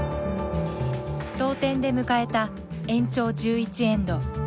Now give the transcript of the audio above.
同点で迎えた延長１１エンド。